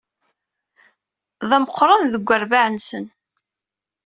D ameqqran deg urbaɛ-nsen.